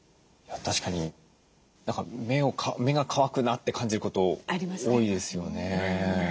確かに目が乾くなって感じること多いですよね。